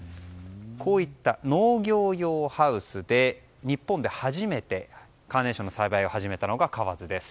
こういった農業用ハウスで日本で初めてカーネーションの栽培を始めたのが河津です。